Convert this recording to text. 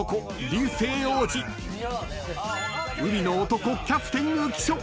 流星王子海の男キャプテン浮所